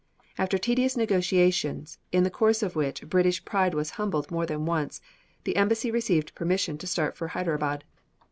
After tedious negotiations, in the course of which British pride was humbled more than once, the embassy received permission to start for Hyderabad.